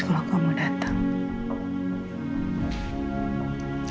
kalau kamu datang